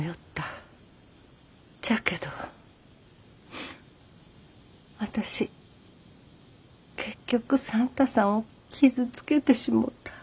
じゃけど私結局算太さんを傷つけてしもうた。